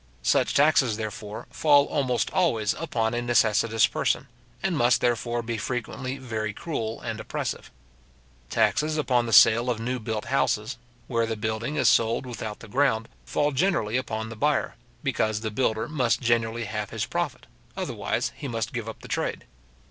Such taxes, therefore, fall almost always upon a necessitous person, and must, therefore, be frequently very cruel and oppressive. Taxes upon the sale of new built houses, where the building is sold without the ground, fall generally upon the buyer, because the builder must generally have his profit; otherwise he must give up the trade.